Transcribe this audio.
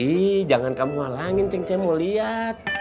ii jangan kamu halangin cenk cek mau liat